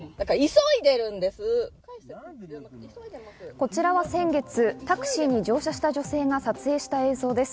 こちらは先月タクシーに乗車した女性が撮影した映像です。